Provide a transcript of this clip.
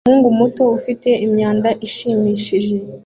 Umuhungu muto ufite imyenda ishimishije